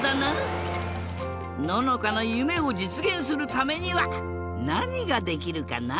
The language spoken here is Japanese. ののかのゆめをじつげんするためにはなにができるかな？